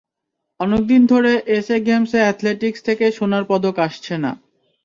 অনেক দিন ধরে এসএ গেমসে অ্যাথলেটিকস থেকে সোনার পদক আসছে না।